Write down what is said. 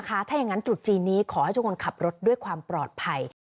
ถ้าอย่างนั้นจุดจีนนี้ขอให้ทุกคนขับรถด้วยความปลอดภัย